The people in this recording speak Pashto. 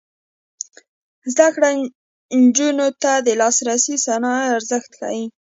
زده کړه نجونو ته د لاسي صنایعو ارزښت ښيي.